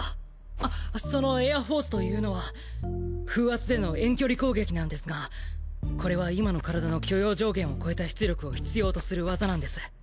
あそのエアフォースというのは風圧での遠距離攻撃なんですがこれは今の身体の許容上限を超えた出力を必要とする技なんです。